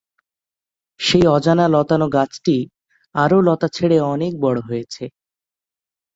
সেই অজানা লতানো গাছটি আরো লতা ছেড়ে অনেক বড় হয়েছে।